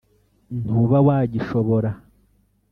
ntuba wagishobora